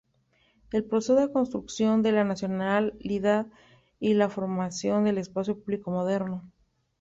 El proceso de construcción de la nacionalidad y la formación del espacio público moderno.